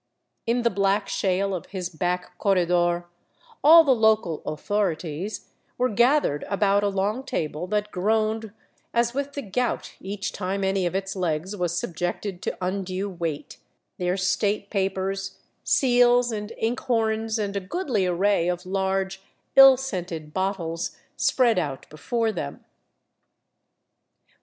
In the black shale of his back corredor all the local " authorities " were g'athered about a long table that groaned as with the gout each time any of its legs was subjected, to undue weight, their state papers, seals, and 398 THE ROUTE OF THE CONQUISTADORES ink horns, and a goodly array of large ill scented bottles spread out before them.